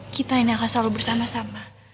kita ini akan selalu bersama sama